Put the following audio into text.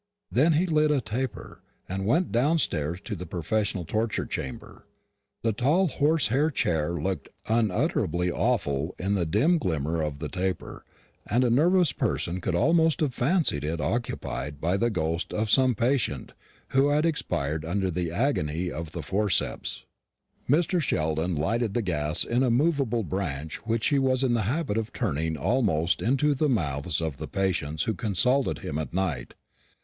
Then he lit a taper, and went downstairs to the professional torture chamber. The tall horsehair chair looked unutterably awful in the dim glimmer of the taper, and a nervous person could almost have fancied it occupied by the ghost of some patient who had expired under the agony of the forceps. Mr. Sheldon lighted the gas in a movable branch which he was in the habit of turning almost into the mouths of the patients who consulted him at night.